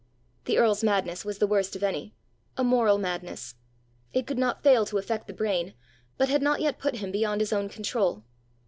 The earl's madness was the worst of any, a moral madness: it could not fail to affect the brain, but had not yet put him beyond his own control.